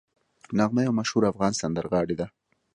نغمه یوه مشهوره افغان سندرغاړې ده